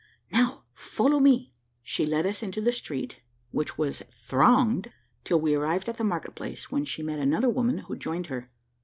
"Now follow me!" She led us into the street, which was thronged, till we arrived at the market place when she met another women, who joined her.